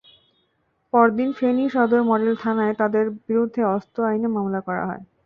পরদিন ফেনী সদর মডেল থানায় তাঁদের বিরুদ্ধে অস্ত্র আইনে মামলা করা হয়।